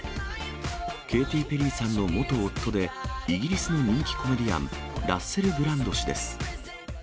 ケイティ・ペリーさんの元夫で、イギリスの人気コメディアン、ラッセル・ブランド氏です。